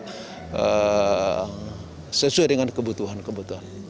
hidupkan api dan yang akan memasak sesuai dengan kebutuhan kebutuhan